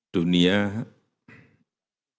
dunia sekarang ini